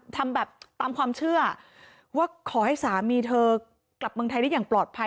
ทำแบบตามความเชื่อว่าขอให้สามีเธอกลับเมืองไทยได้อย่างปลอดภัย